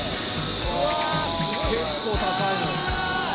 結構高いのよ。